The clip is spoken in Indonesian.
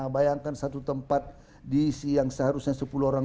bayangkan satu tempat diisi yang seharusnya sepuluh orang